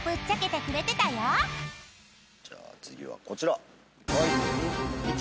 じゃあ次はこちら。